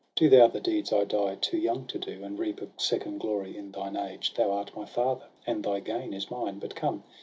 Do thou the deeds I die too young to do, And reap a second glory in thine age ; Thou art my father, and thy gain is mine. But come